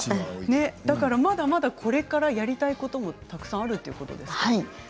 だからまだまだこれからやりたいこともたくさんあるということですね。